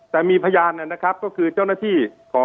แต่มีพยานนะครับก็คือเจ้าหน้าที่ของ